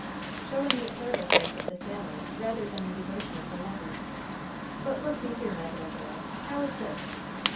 "Showing the carelessness of the sailor, rather than the devotion of the lover! But look you here, my little girl! How is this?